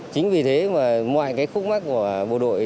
chính vì thế mà ngoài cái khúc mắt của bộ đội